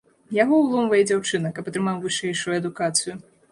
Яго ўломвае дзяўчына, каб атрымаў вышэйшую адукацыю.